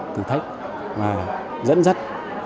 thử thách mà dẫn dắt